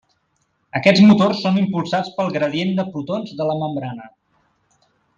Aquests motors són impulsats pel gradient de protons de la membrana.